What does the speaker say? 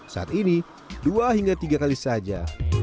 saat ini dua hingga tiga kali saja